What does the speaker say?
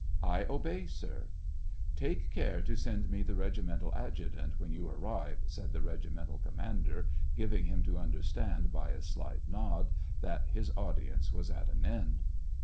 " I obey, sir," "Take care to send me the regimental adjutant when you arrive," said the regimental commander, giving him to understand, by a slight nod, that his audience was at an end.